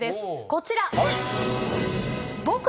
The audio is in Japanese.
こちら。